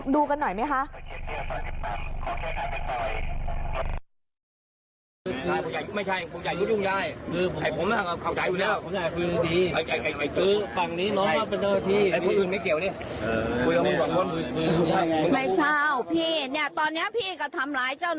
ดูกันหน่อยไหมคะ